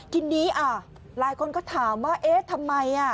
ทีนี้หลายคนก็ถามว่าเอ๊ะทำไม